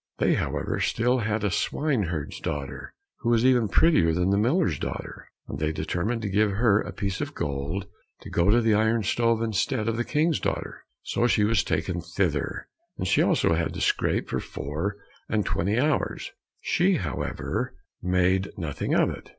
They, however, still had a swine herd's daughter, who was even prettier than the miller's daughter, and they determined to give her a piece of gold to go to the iron stove instead of the King's daughter. So she was taken thither, and she also had to scrape for four and twenty hours. She, however, made nothing of it.